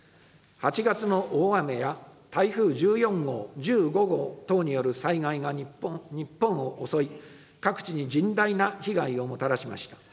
８月の大雨や台風１４号、１５号等による災害が日本を襲い、各地に甚大な被害をもたらしました。